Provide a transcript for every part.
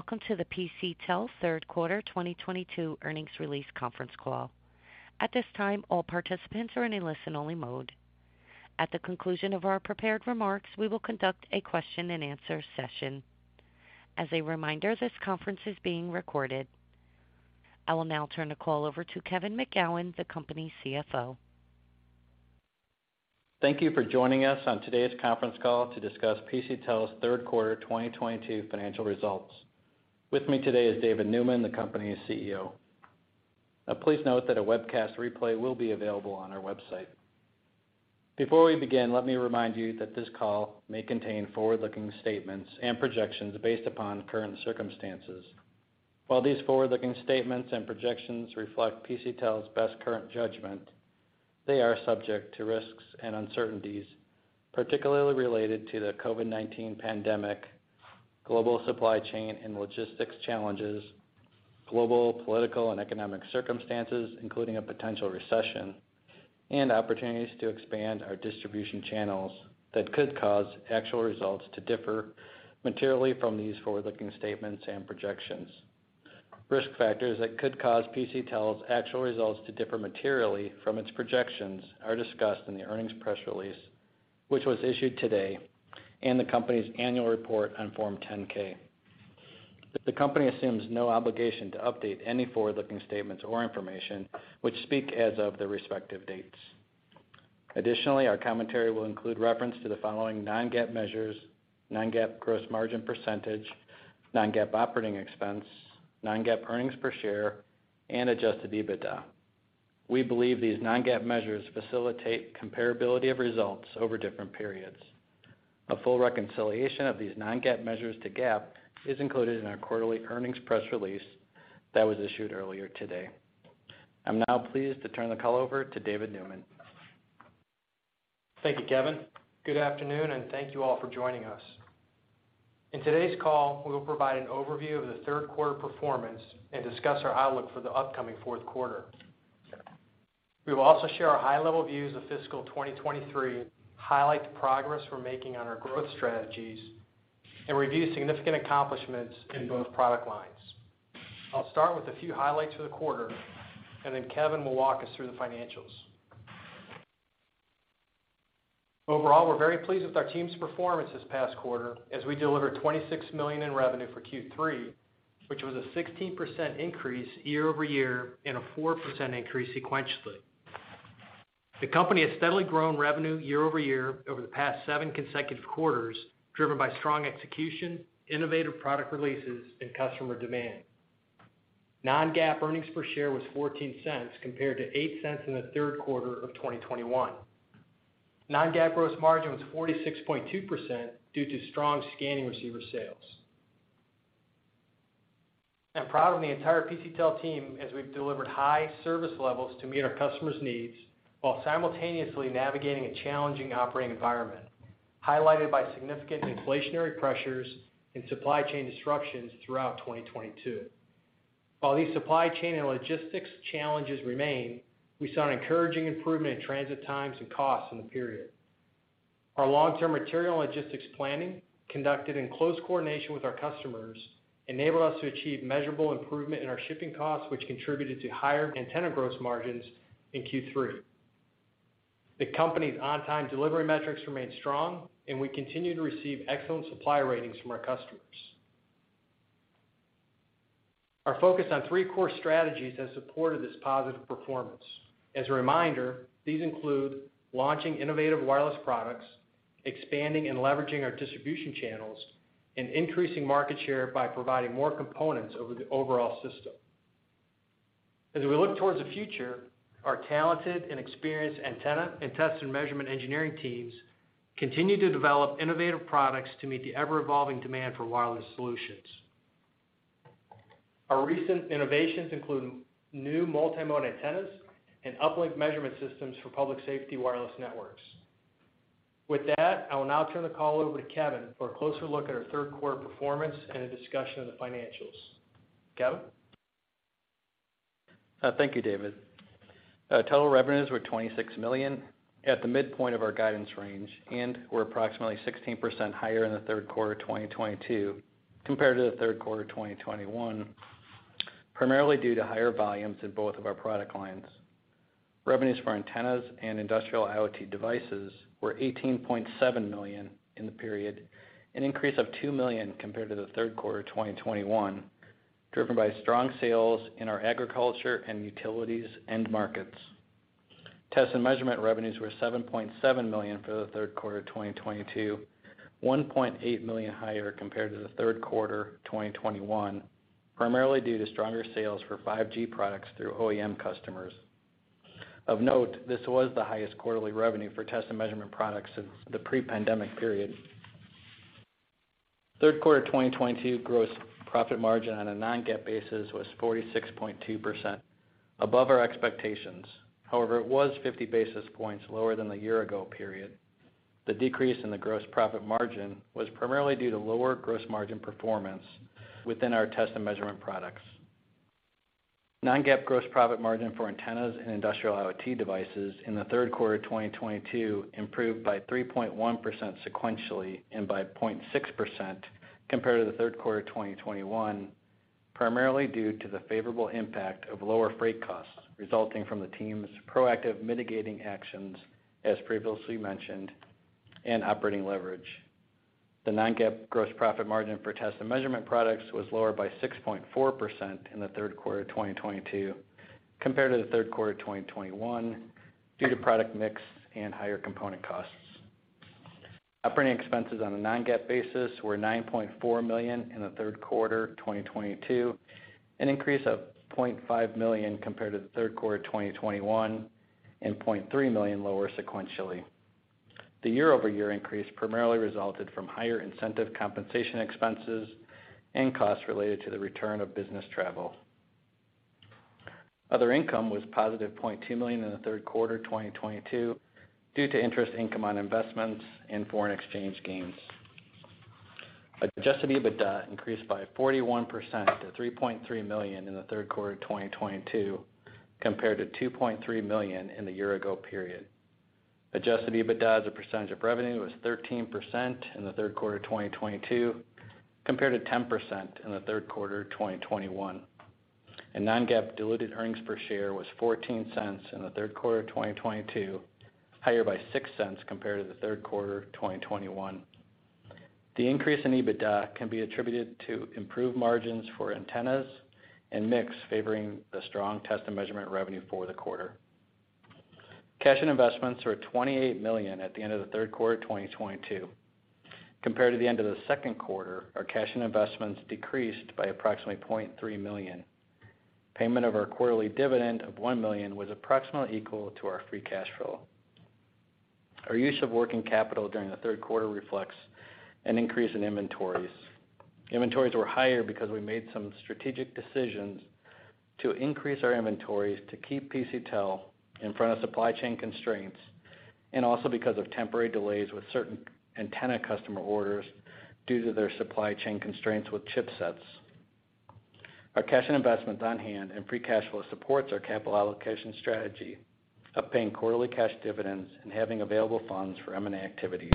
Welcome to the PCTEL Third Quarter 2022 Earnings Release Conference Call. At this time, all participants are in a listen-only mode. At the conclusion of our prepared remarks, we will conduct a question-and-answer session. As a reminder, this conference is being recorded. I will now turn the call over to Kevin McGowan, the company's CFO. Thank you for joining us on today's conference call to discuss PCTEL's third quarter 2022 financial results. With me today is David Neumann, the company's CEO. Now, please note that a webcast replay will be available on our website. Before we begin, let me remind you that this call may contain forward-looking statements and projections based upon current circumstances. While these forward-looking statements and projections reflect PCTEL's best current judgment, they are subject to risks and uncertainties, particularly related to the COVID-19 pandemic, global supply chain and logistics challenges, global political and economic circumstances, including a potential recession, and opportunities to expand our distribution channels that could cause actual results to differ materially from these forward-looking statements and projections. Risk factors that could cause PCTEL's actual results to differ materially from its projections are discussed in the earnings press release, which was issued today, and the company's annual report on Form 10-K. The company assumes no obligation to update any forward-looking statements or information which speak as of the respective dates. Additionally, our commentary will include reference to the following non-GAAP measures. Non-GAAP gross margin percentage, non-GAAP operating expense, non-GAAP earnings per share, and adjusted EBITDA. We believe these non-GAAP measures facilitate comparability of results over different periods. A full reconciliation of these non-GAAP measures to GAAP is included in our quarterly earnings press release that was issued earlier today. I'm now pleased to turn the call over to David Neumann. Thank you, Kevin. Good afternoon, and thank you all for joining us. In today's call, we will provide an overview of the third quarter performance and discuss our outlook for the upcoming fourth quarter. We will also share our high-level views of fiscal 2023, highlight the progress we're making on our growth strategies, and review significant accomplishments in both product lines. I'll start with a few highlights for the quarter, and then Kevin will walk us through the financials. Overall, we're very pleased with our team's performance this past quarter as we delivered $26 million in revenue for Q3, which was a 16% increase year-over-year and a 4% increase sequentially. The company has steadily grown revenue year-over-year over the past 7 consecutive quarters, driven by strong execution, innovative product releases, and customer demand. Non-GAAP earnings per share was $0.14 compared to $0.08 in the third quarter of 2021. Non-GAAP gross margin was 46.2% due to strong scanning receiver sales. I'm proud of the entire PCTEL team as we've delivered high service levels to meet our customers' needs while simultaneously navigating a challenging operating environment, highlighted by significant inflationary pressures and supply chain disruptions throughout 2022. While these supply chain and logistics challenges remain, we saw an encouraging improvement in transit times and costs in the period. Our long-term material and logistics planning, conducted in close coordination with our customers, enabled us to achieve measurable improvement in our shipping costs, which contributed to higher antenna gross margins in Q3. The company's on-time delivery metrics remain strong, and we continue to receive excellent supply ratings from our customers. Our focus on three core strategies has supported this positive performance. As a reminder, these include launching innovative wireless products, expanding and leveraging our distribution channels, and increasing market share by providing more components over the overall system. As we look toward the future, our talented and experienced antenna and test and measurement engineering teams continue to develop innovative products to meet the ever-evolving demand for wireless solutions. Our recent innovations include new multi-mode antennas and uplink measurement systems for public safety wireless networks. With that, I will now turn the call over to Kevin for a closer look at our third quarter performance and a discussion of the financials. Kevin? Thank you, David. Total revenues were $26 million, at the midpoint of our guidance range, and were approximately 16% higher in the third quarter 2022 compared to the third quarter 2021, primarily due to higher volumes in both of our product lines. Revenues for antennas and industrial IoT devices were $18.7 million in the period, an increase of $2 million compared to the third quarter 2021, driven by strong sales in our agriculture and utilities end markets. Test and measurement revenues were $7.7 million for the third quarter 2022, $1.8 million higher compared to the third quarter 2021, primarily due to stronger sales for 5G products through OEM customers. Of note, this was the highest quarterly revenue for test and measurement products since the pre-pandemic period. Third quarter 2022 gross profit margin on a non-GAAP basis was 46.2%, above our expectations. However, it was 50 basis points lower than the year ago period. The decrease in the gross profit margin was primarily due to lower gross margin performance within our test and measurement products. Non-GAAP gross profit margin for antennas and industrial IoT devices in the third quarter 2022 improved by 3.1% sequentially and by 0.6% compared to the third quarter 2021, primarily due to the favorable impact of lower freight costs resulting from the team's proactive mitigating actions, as previously mentioned, and operating leverage. The non-GAAP gross profit margin for test and measurement products was lower by 6.4% in the third quarter 2022 compared to the third quarter 2021 due to product mix and higher component costs. Operating expenses on a non-GAAP basis were $9.4 million in the third quarter 2022, an increase of $0.5 million compared to the third quarter 2021, and $0.3 million lower sequentially. The year-over-year increase primarily resulted from higher incentive compensation expenses and costs related to the return of business travel. Other income was positive $0.2 million in the third quarter 2022 due to interest income on investments and foreign exchange gains. Adjusted EBITDA increased by 41% to $3.3 million in the third quarter 2022 compared to $2.3 million in the year ago period. Adjusted EBITDA as a percentage of revenue was 13% in the third quarter 2022 compared to 10% in the third quarter 2021. Non-GAAP diluted earnings per share was $0.14 in the third quarter 2022, higher by $0.06 compared to the third quarter 2021. The increase in EBITDA can be attributed to improved margins for antennas and mix favoring the strong test and measurement revenue for the quarter. Cash and investments were $28 million at the end of the third quarter 2022. Compared to the end of the second quarter, our cash and investments decreased by approximately $0.3 million. Payment of our quarterly dividend of $1 million was approximately equal to our free cash flow. Our use of working capital during the third quarter reflects an increase in inventories. Inventories were higher because we made some strategic decisions to increase our inventories to keep PCTEL in front of supply chain constraints, and also because of temporary delays with certain antenna customer orders due to their supply chain constraints with chipsets. Our cash and investments on hand and free cash flow supports our capital allocation strategy of paying quarterly cash dividends and having available funds for M&A activities.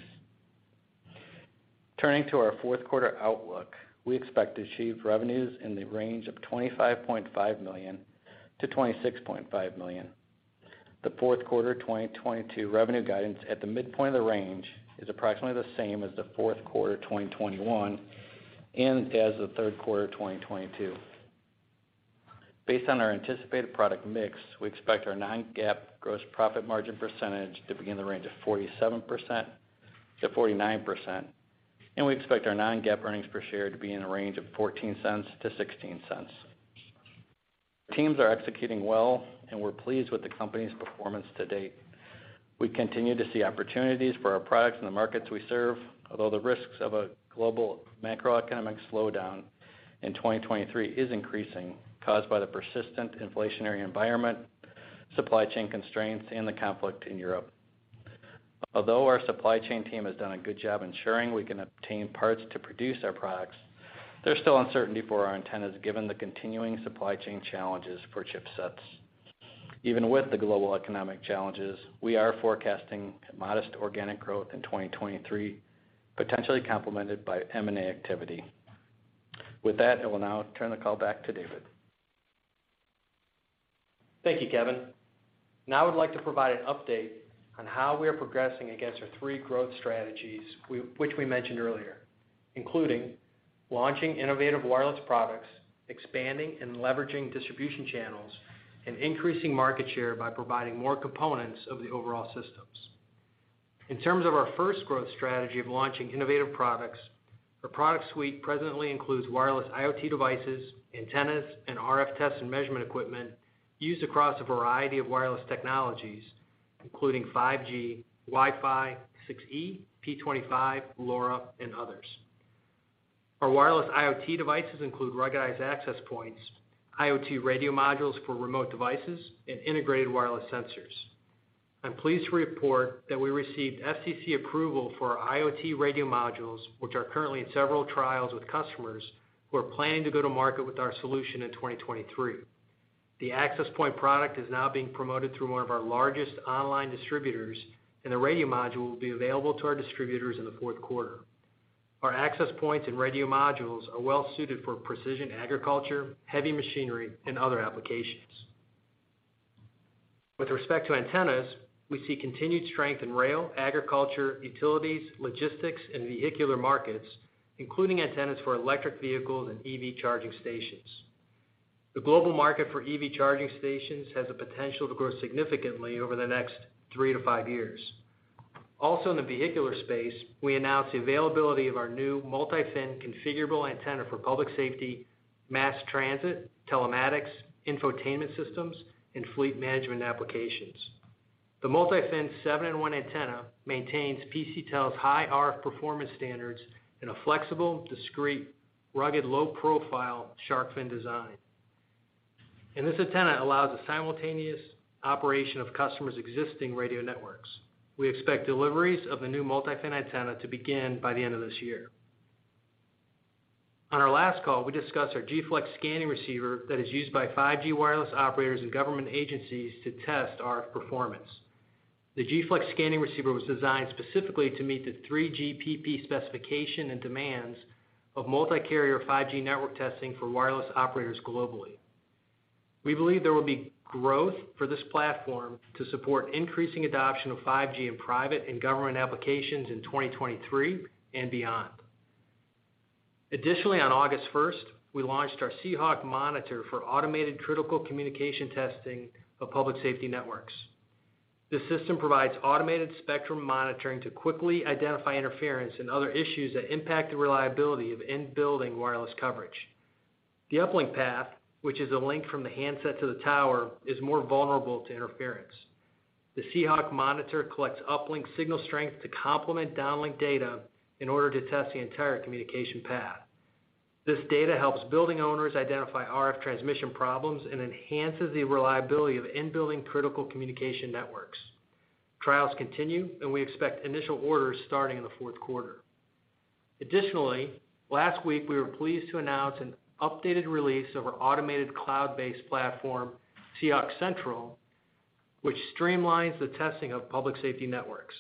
Turning to our fourth quarter outlook, we expect to achieve revenues in the range of $25.5 million-$26.5 million. The fourth quarter 2022 revenue guidance at the midpoint of the range is approximately the same as the fourth quarter 2021 and as the third quarter 2022. Based on our anticipated product mix, we expect our non-GAAP gross profit margin percentage to be in the range of 47%-49%, and we expect our non-GAAP earnings per share to be in the range of $0.14-$0.16. Teams are executing well, and we're pleased with the company's performance to date. We continue to see opportunities for our products in the markets we serve, although the risks of a global macroeconomic slowdown in 2023 is increasing, caused by the persistent inflationary environment, supply chain constraints, and the conflict in Europe. Although our supply chain team has done a good job ensuring we can obtain parts to produce our products, there's still uncertainty for our antennas given the continuing supply chain challenges for chipsets. Even with the global economic challenges, we are forecasting modest organic growth in 2023, potentially complemented by M&A activity. With that, I will now turn the call back to David. Thank you, Kevin. Now I would like to provide an update on how we are progressing against our three growth strategies, which we mentioned earlier, including launching innovative wireless products, expanding and leveraging distribution channels, and increasing market share by providing more components of the overall systems. In terms of our first growth strategy of launching innovative products, our product suite presently includes wireless IoT devices, antennas, and RF test and measurement equipment used across a variety of wireless technologies, including 5G, Wi-Fi 6E, P25, LoRa, and others. Our wireless IoT devices include ruggedized access points, IoT radio modules for remote devices, and integrated wireless sensors. I'm pleased to report that we received FCC approval for our IoT radio modules, which are currently in several trials with customers who are planning to go to market with our solution in 2023. The access point product is now being promoted through one of our largest online distributors, and the radio module will be available to our distributors in the fourth quarter. Our access points and radio modules are well suited for precision agriculture, heavy machinery, and other applications. With respect to antennas, we see continued strength in rail, agriculture, utilities, logistics, and vehicular markets, including antennas for electric vehicles and EV charging stations. The global market for EV charging stations has the potential to grow significantly over the next three to five years. Also, in the vehicular space, we announced the availability of our new MultiFin configurable antenna for public safety, mass transit, telematics, infotainment systems, and fleet management applications. The MultiFin seven-in-one antenna maintains PCTEL's high RF performance standards in a flexible, discreet, rugged, low-profile shark fin design. This antenna allows the simultaneous operation of customers' existing radio networks. We expect deliveries of the new MultiFin antenna to begin by the end of this year. On our last call, we discussed our Gflex scanning receiver that is used by 5G wireless operators and government agencies to test RF performance. The Gflex scanning receiver was designed specifically to meet the 3GPP specification and demands of multi-carrier 5G network testing for wireless operators globally. We believe there will be growth for this platform to support increasing adoption of 5G in private and government applications in 2023 and beyond. Additionally, on August 1, we launched our SeeHawk Monitor for automated critical communication testing of public safety networks. This system provides automated spectrum monitoring to quickly identify interference and other issues that impact the reliability of in-building wireless coverage. The uplink path, which is a link from the handset to the tower, is more vulnerable to interference. The SeeHawk Monitor collects uplink signal strength to complement downlink data in order to test the entire communication path. This data helps building owners identify RF transmission problems and enhances the reliability of in-building critical communication networks. Trials continue, and we expect initial orders starting in the fourth quarter. Additionally, last week we were pleased to announce an updated release of our automated cloud-based platform, SeeHawk Central, which streamlines the testing of public safety networks.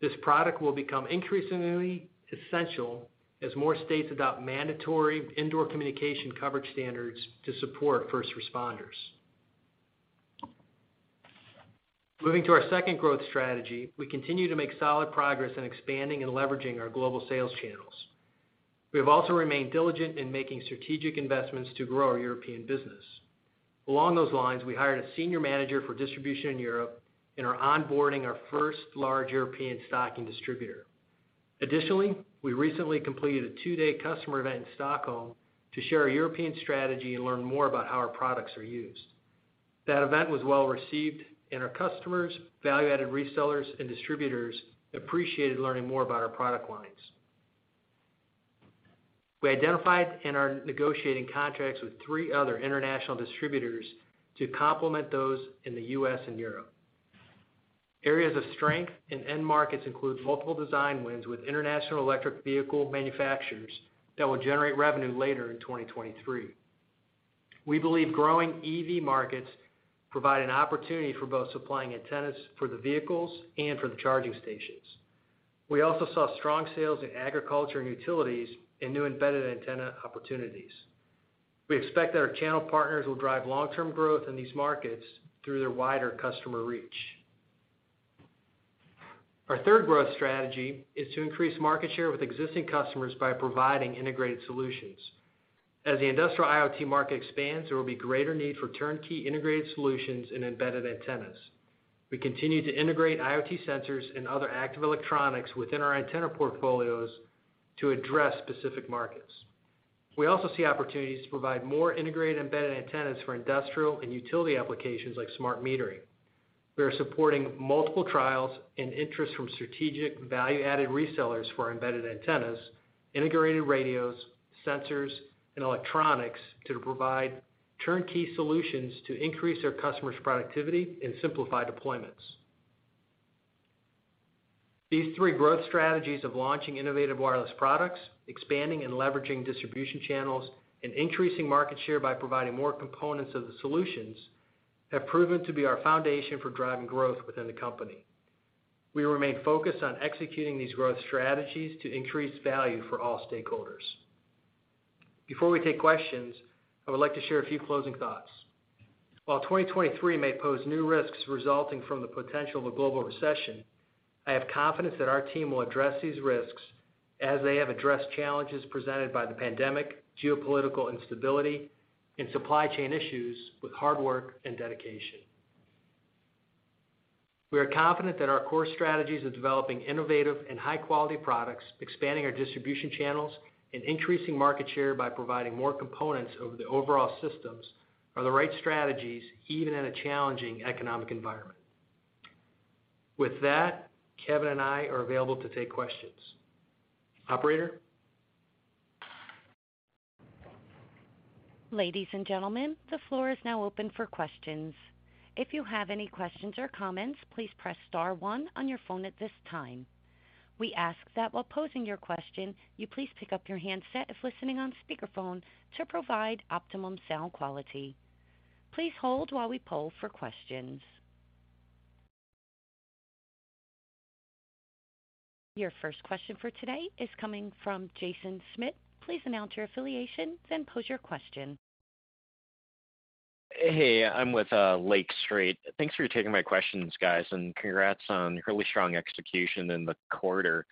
This product will become increasingly essential as more states adopt mandatory indoor communication coverage standards to support first responders. Moving to our second growth strategy, we continue to make solid progress in expanding and leveraging our global sales channels. We have also remained diligent in making strategic investments to grow our European business. Along those lines, we hired a senior manager for distribution in Europe and are onboarding our first large European stocking distributor. Additionally, we recently completed a two-day customer event in Stockholm to share our European strategy and learn more about how our products are used. That event was well received, and our customers, value-added resellers, and distributors appreciated learning more about our product lines. We identified and are negotiating contracts with three other international distributors to complement those in the U.S. and Europe. Areas of strength in end markets include multiple design wins with international electric vehicle manufacturers that will generate revenue later in 2023. We believe growing EV markets provide an opportunity for both supplying antennas for the vehicles and for the charging stations. We also saw strong sales in agriculture and utilities and new embedded antenna opportunities. We expect that our channel partners will drive long-term growth in these markets through their wider customer reach. Our third growth strategy is to increase market share with existing customers by providing integrated solutions. As the industrial IoT market expands, there will be greater need for turnkey integrated solutions and embedded antennas. We continue to integrate IoT sensors and other active electronics within our antenna portfolios to address specific markets. We also see opportunities to provide more integrated embedded antennas for industrial and utility applications like smart metering. We are supporting multiple trials and interest from strategic value-added resellers for our embedded antennas, integrated radios, sensors, and electronics to provide turnkey solutions to increase our customers' productivity and simplify deployments. These three growth strategies of launching innovative wireless products, expanding and leveraging distribution channels, and increasing market share by providing more components of the solutions have proven to be our foundation for driving growth within the company. We remain focused on executing these growth strategies to increase value for all stakeholders. Before we take questions, I would like to share a few closing thoughts. While 2023 may pose new risks resulting from the potential of a global recession, I have confidence that our team will address these risks as they have addressed challenges presented by the pandemic, geopolitical instability, and supply chain issues with hard work and dedication. We are confident that our core strategies of developing innovative and high-quality products, expanding our distribution channels, and increasing market share by providing more components of the overall systems are the right strategies even in a challenging economic environment. With that, Kevin and I are available to take questions. Operator? Ladies and gentlemen, the floor is now open for questions. If you have any questions or comments, please press star one on your phone at this time. We ask that while posing your question, you please pick up your handset if listening on speakerphone to provide optimum sound quality. Please hold while we poll for questions. Your first question for today is coming from Jason Smith. Please announce your affiliation, then pose your question. Hey, I'm with Lake Street. Thanks for taking my questions, guys, and congrats on really strong execution in the quarter.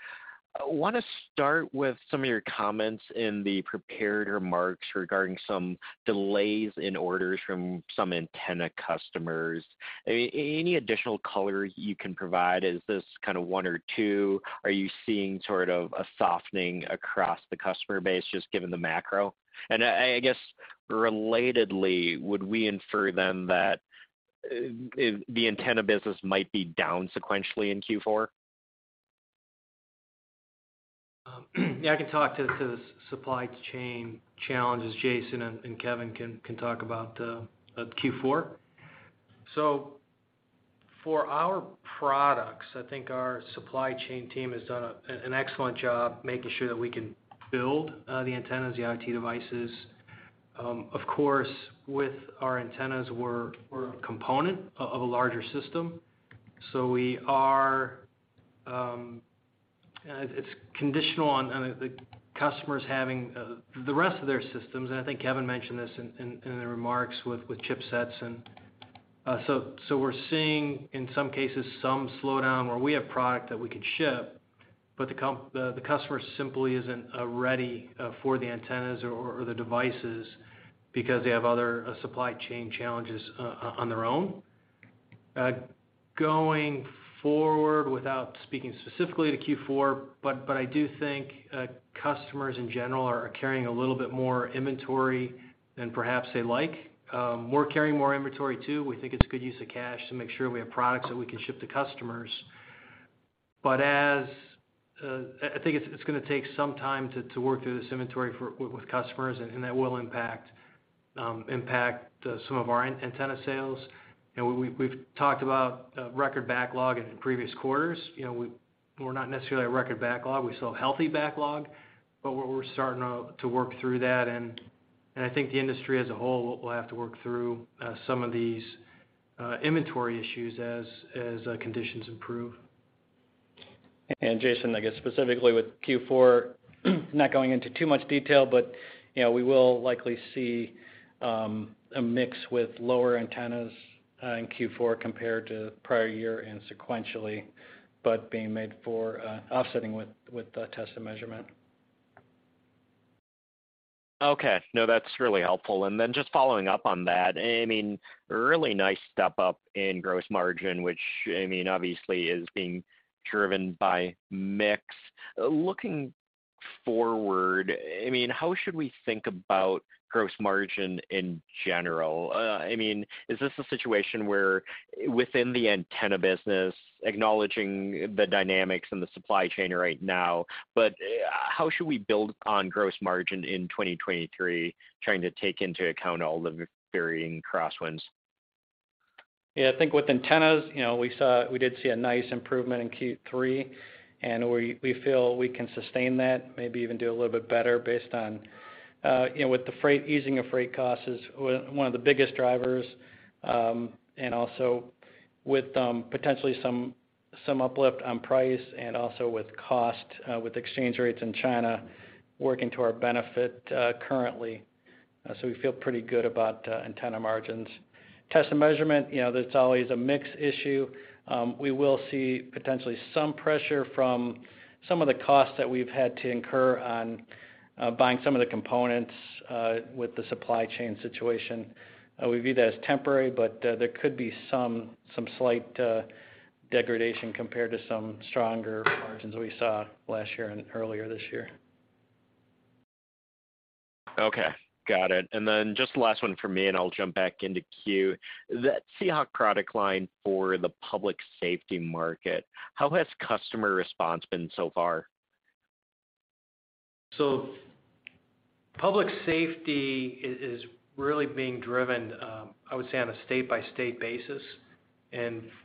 I wanna start with some of your comments in the prepared remarks regarding some delays in orders from some antenna customers. Any additional color you can provide? Is this kind of one or two? Are you seeing sort of a softening across the customer base just given the macro? I guess relatedly, would we infer then that the antenna business might be down sequentially in Q4? Yeah, I can talk to the supply chain challenges, Jason, and Kevin can talk about Q4. For our products, I think our supply chain team has done an excellent job making sure that we can build the antennas, the IoT devices. Of course, with our antennas, we're a component of a larger system. It's conditional on the customers having the rest of their systems, and I think Kevin mentioned this in the remarks with chipsets. So we're seeing in some cases some slowdown where we have product that we can ship, but the customer simply isn't ready for the antennas or the devices because they have other supply chain challenges on their own. Going forward, without speaking specifically to Q4, but I do think customers in general are carrying a little bit more inventory than perhaps they like. We're carrying more inventory too. We think it's a good use of cash to make sure we have products that we can ship to customers. But I think it's gonna take some time to work through this inventory with customers, and that will impact some of our antenna sales. We've talked about record backlog in previous quarters. You know, we're not necessarily at a record backlog. We saw healthy backlog, but we're starting to work through that. I think the industry as a whole will have to work through some of these inventory issues as conditions improve. Jason, I guess specifically with Q4, not going into too much detail, but, you know, we will likely see a mix with lower antennas in Q4 compared to prior year and sequentially, but being made up for offsetting with test and measurement. Okay. No, that's really helpful. Then just following up on that, I mean, really nice step up in gross margin, which, I mean, obviously is being driven by mix. Looking forward, I mean, how should we think about gross margin in general? I mean, is this a situation where within the antenna business, acknowledging the dynamics and the supply chain right now, but how should we build on gross margin in 2023, trying to take into account all the varying crosswinds? Yeah, I think with antennas, you know, we did see a nice improvement in Q3, and we feel we can sustain that, maybe even do a little bit better based on the easing of freight costs is one of the biggest drivers, and also with potentially some uplift on price and also with cost with exchange rates in China working to our benefit currently. So we feel pretty good about antenna margins. Test and measurement, you know, that's always a mix issue. We will see potentially some pressure from some of the costs that we've had to incur on buying some of the components with the supply chain situation. We view that as temporary, but there could be some slight degradation compared to some stronger margins we saw last year and earlier this year. Okay. Got it. Just last one for me, and I'll jump back into queue. That SeeHawk product line for the public safety market, how has customer response been so far? Public safety is really being driven, I would say, on a state-by-state basis.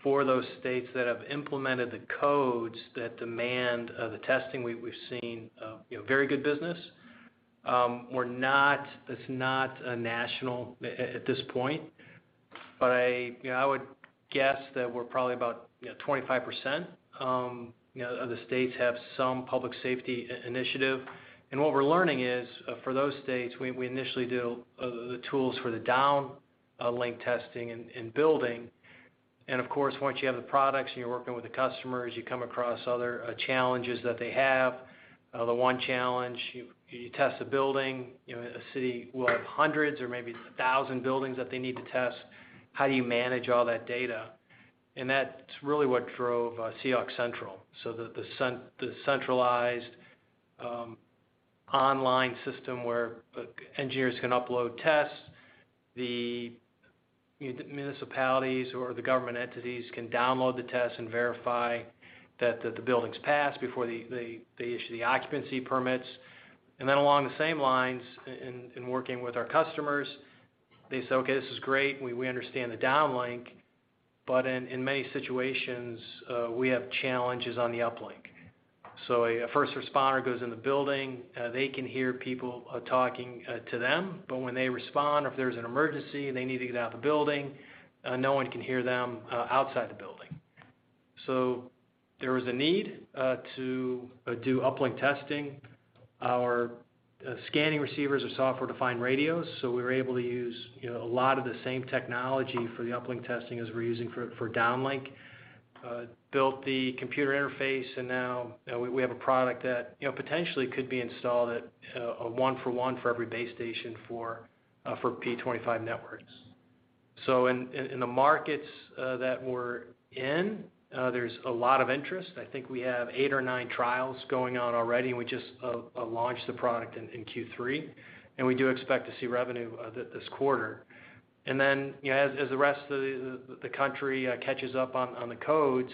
For those states that have implemented the codes that demand the testing, we've seen you know very good business. It's not a national act at this point, but you know I would guess that we're probably about 25% of the states have some public safety initiative. What we're learning is, for those states, we initially do the tools for the downlink testing and building. Of course, once you have the products and you're working with the customers, you come across other challenges that they have. The one challenge, you test the building, you know a city will have hundreds or maybe 1,000 buildings that they need to test. How do you manage all that data? That's really what drove SeeHawk Central. The centralized online system where engineers can upload tests, the municipalities or the government entities can download the tests and verify that the buildings pass before they issue the occupancy permits. Then along the same lines in working with our customers, they say, "Okay, this is great. We understand the downlink, but in many situations we have challenges on the uplink." A first responder goes in the building, they can hear people talking to them, but when they respond, if there's an emergency and they need to get out the building, no one can hear them outside the building. There was a need to do uplink testing. Our scanning receivers are software-defined radios, so we were able to use, you know, a lot of the same technology for the uplink testing as we're using for downlink. Built the computer interface, and now, you know, we have a product that, you know, potentially could be installed at a one for one for every base station for P25 networks. In the markets that we're in, there's a lot of interest. I think we have eight or nine trials going on already, and we just launched the product in Q3, and we do expect to see revenue this quarter. You know, as the rest of the country catches up on the codes,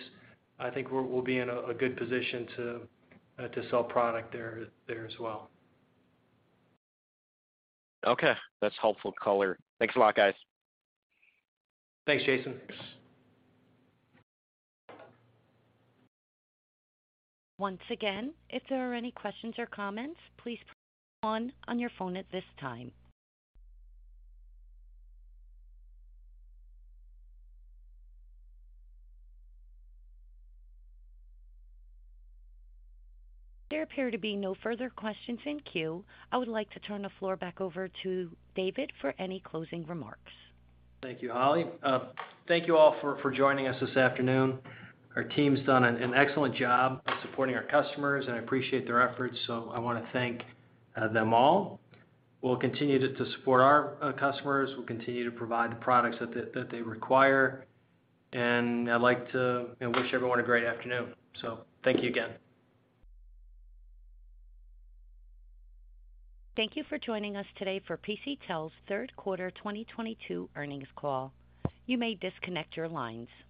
I think we'll be in a good position to sell product there as well. Okay. That's helpful color. Thanks a lot, guys. Thanks, Jason. Once again, if there are any questions or comments, please press one on your phone at this time. There appear to be no further questions in queue. I would like to turn the floor back over to David for any closing remarks. Thank you, Holly. Thank you all for joining us this afternoon. Our team's done an excellent job of supporting our customers, and I appreciate their efforts, so I wanna thank them all. We'll continue to support our customers. We'll continue to provide the products that they require. I'd like to, you know, wish everyone a great afternoon. Thank you again. Thank you for joining us today for PCTEL's third quarter 2022 earnings call. You may disconnect your lines.